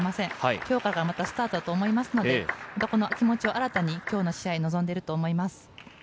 今日からまたスタートだと思うので、気持ちを新たに今日の試合に臨んでいると思います。